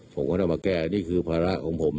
ผมก็ต้องมาแก้นี่คือภาระของผม